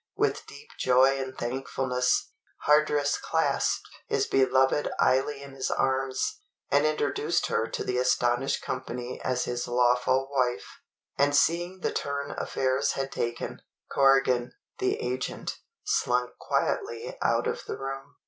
With deep joy and thankfulness, Hardress clasped his beloved Eily in his arms, and introduced her to the astonished company as his lawful wife; and seeing the turn affairs had taken, Corrigan, the agent, slunk quietly out of the room.